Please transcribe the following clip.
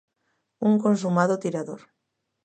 Un consumado tirador.